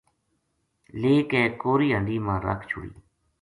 لے کے کوری ہنڈی ما ر کھ چھُڑی